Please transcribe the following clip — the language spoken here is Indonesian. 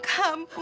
tuhan setiap waktu